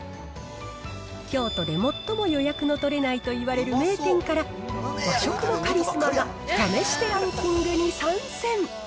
京都で最も予約の取れないといわれる名店から、和食のカリスマが試してランキングに参戦。